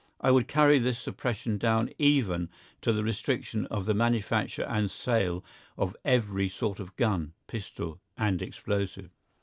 I would carry this suppression down even to the restriction of the manufacture and sale of every sort of gun, pistol, and explosive.